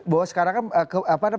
bahwa sekarang kan